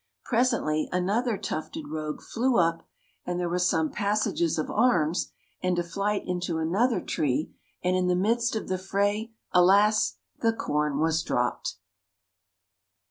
Presently another tufted rogue flew up and there were some "passages of arms," and a flight into another tree, and in the midst of the fray, alas! the corn was dropped.